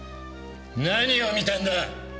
何を見たんだ？